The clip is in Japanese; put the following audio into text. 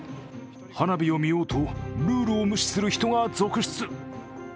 花火を見ようとルールを無視する人が続出。